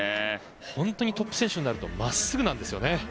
本当にトップ選手になると真っすぐなんですよね。